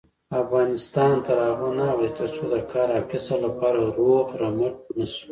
افغانستان تر هغو نه ابادیږي، ترڅو د کار او کسب لپاره روغ رمټ نشو.